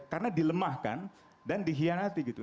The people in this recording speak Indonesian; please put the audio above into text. karena dilemahkan dan dihianati gitu